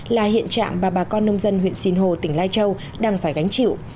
là hiện trạng mà bà con nông dân huyện sinh hồ tỉnh lai châu đang phải gánh chịu